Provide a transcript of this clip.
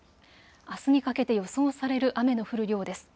あすにかけて予想される雨の降る量です。